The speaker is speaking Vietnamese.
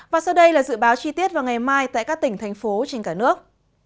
và sau đây là dự báo chi tiết vào ngày mai tại các tỉnh thành phố trên cả nước